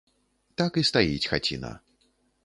Так і стаіць хаціна.